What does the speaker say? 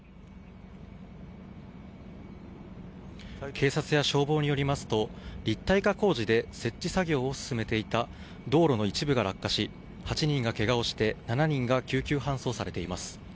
警察や消防によりますと立体化工事で設置作業を進めていた道路の一部が落下し８人がけがをして７人が救急搬送されています。